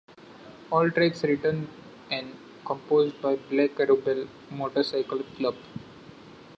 All tracks written and composed by Black Rebel Motorcycle Club.